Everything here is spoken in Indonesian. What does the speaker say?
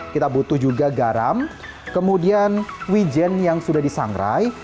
kita butuh juga garam kemudian wijen yang sudah disangrai